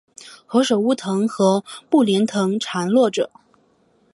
何首乌藤和木莲藤缠络着